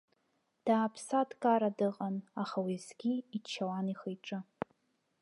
Дааԥса-дкара дыҟан, аха уеизгьы иччауан ихы-иҿы.